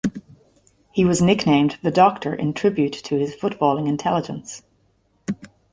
He was nicknamed "The Doctor" in tribute to his footballing intelligence.